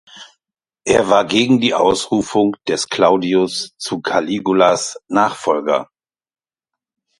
Er war gegen die Ausrufung des Claudius zu Caligulas Nachfolger.